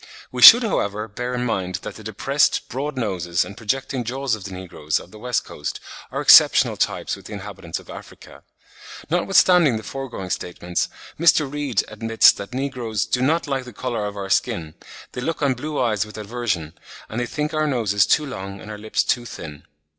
We should, however, bear in mind that the depressed, broad noses and projecting jaws of the negroes of the West Coast are exceptional types with the inhabitants of Africa. Notwithstanding the foregoing statements, Mr. Reade admits that negroes "do not like the colour of our skin; they look on blue eyes with aversion, and they think our noses too long and our lips too thin."